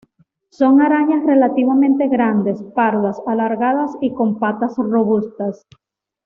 Son arañas relativamente grandes, pardas, alargadas y con patas robustas.